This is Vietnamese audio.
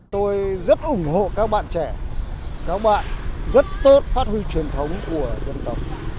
tôi rất ủng hộ các bạn trẻ các bạn rất tốt phát huy truyền thống của dân tộc